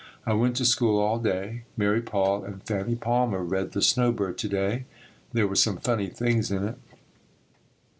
I went to school all day. Mary Paul and Fannie Palmer read "The Snow Bird" to day. There were some funny things in it.